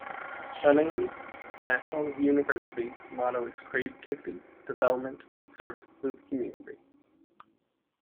Chungnam National University motto is "Creativity, Development, and Service to the community".